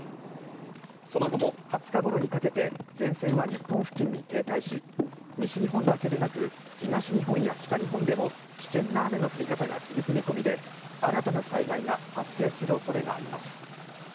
その後も２０日ごろにかけて前線は日本付近に停滞し西日本だけでなく東日本や北日本でも危険な雨の降り方が続く見込みで新たな災害が発生する恐れがあります。